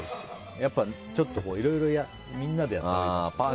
ちょっと、いろいろみんなでやったほうがいい。